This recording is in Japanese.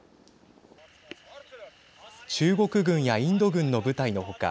中国軍やインド軍の部隊の他